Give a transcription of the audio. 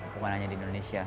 bukan hanya di indonesia